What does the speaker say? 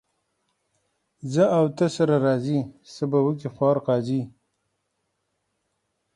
زه او ته سره راضي ، څه به وکي خوار قاضي.